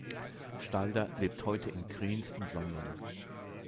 Stalder lebt heute in Kriens und London.